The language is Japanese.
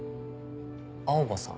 青羽さん？